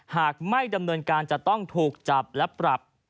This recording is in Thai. หากไม่ดำเนินการจะต้องถูกจับและปรับ